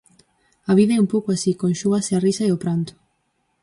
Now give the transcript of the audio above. A vida é un pouco así, conxúgase a risa e o pranto.